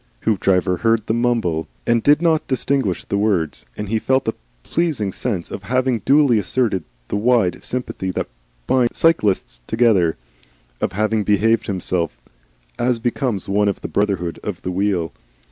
Hoopdriver heard the mumble and did not distinguish the words, and he felt a pleasing sense of having duly asserted the wide sympathy that binds all cyclists together, of having behaved himself as becomes one of the brotherhood of the wheel.